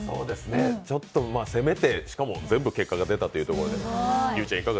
ちょっと攻めてしかも全部結果が出たということで。